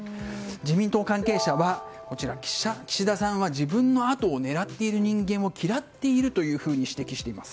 自民党関係者は、岸田さんは自分のあとを狙っている人間を嫌っているというふうに指摘しています。